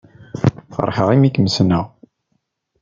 Feṛḥeɣ imi kem-ssneɣ.